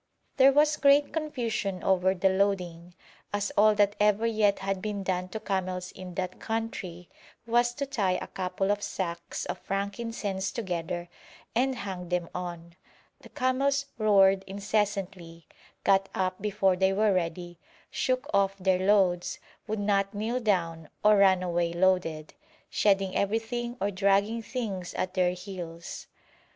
There was great confusion over the loading, as all that ever yet had been done to camels in that country was to tie a couple of sacks of frankincense together and hang them on. The camels roared incessantly, got up before they were ready, shook off their loads, would not kneel down or ran away loaded, shedding everything or dragging things at their heels.